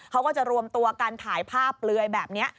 เขาก็จะรวมตัวกันถ่ายภาพเปลือยแบบนี้